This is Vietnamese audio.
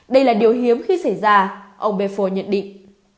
đây là điều hiếm khi xảy ra ông bepho nhận định